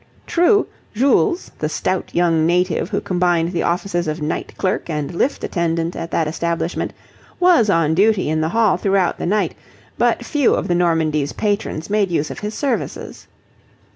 True, Jules, the stout young native who combined the offices of night clerk and lift attendant at that establishment, was on duty in the hall throughout the night, but few of the Normandie's patrons made use of his services.